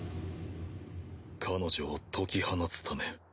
彼女を解き放つため。